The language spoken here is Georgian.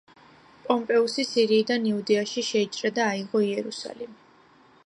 პომპეუსი სირიიდან იუდეაში შეიჭრა და აიღო იერუსალემი.